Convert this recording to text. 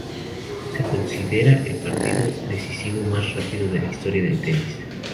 Se considera el partido decisivo más rápido de la historia del tenis.